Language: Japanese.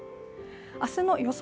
明日の予想